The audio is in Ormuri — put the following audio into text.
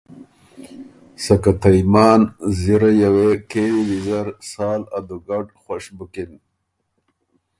سکه ته یمان زِرئ یه وې کېوی ویزر سال ا دُوګډ خوش بُکِن۔